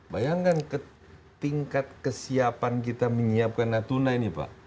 bayangkan tingkat kesiapan kita menyiapkan natuna ini pak